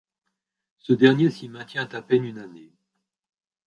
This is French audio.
Ce dernier s'y maintient à peine une année.